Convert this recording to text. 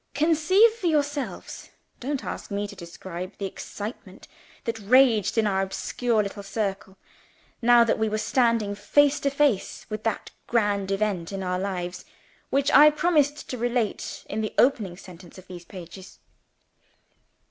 Conceive for yourselves (don't ask me to describe) the excitement that raged in our obscure little circle, now that we were standing face to face with that grand Event in our lives which I promised to relate in the opening sentence of these pages.